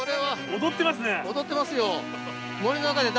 踊ってますよ。